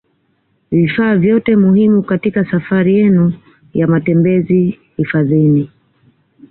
Vifaa vyote muhimu katika safari yenu ya matembezi hifadhini